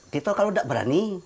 kita kalau tidak berani